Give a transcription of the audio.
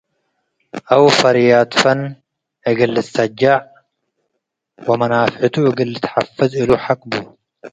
አው ፋርያት ፈን እግል ልትሳጀዕ ወመናፍዕቱ እግል ልትሐፈዝ እሉ ሐቅ ቡ።